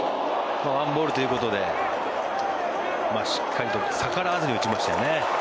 １ボールということでしっかりと逆らわずに打ちましたよね。